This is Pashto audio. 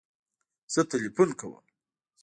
زه تلیفون کوم